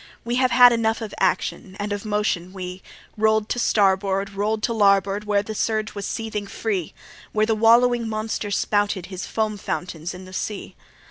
We have had enough of action, and of motion we, Roll'd to starboard, roll'd to larboard, when the surge was seething free, Where the wallowing monster spouted his foam fountains in the sea.